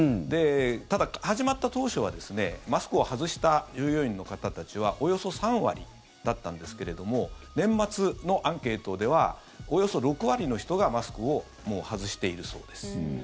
ただ、始まった当初はマスクを外した従業員の方たちはおよそ３割だったんですけれども年末のアンケートではおよそ６割の人がマスクをもう外しているそうです。